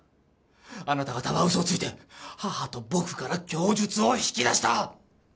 あなた方は嘘をついて母と僕から供述を引き出した！